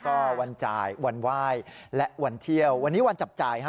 ก็วันจ่ายวันไหว้และวันเที่ยววันนี้วันจับจ่ายฮะ